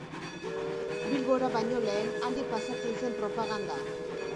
Bilbora baino lehen, handik pasatzen zen propaganda.